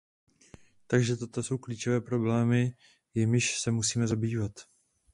Takže toto jsou klíčové problémy, jimiž se musíme zabývat.